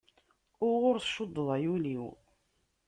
Uɣur tcuddeḍ ay ul-iw.